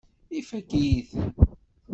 Ifakk-iyi-ten.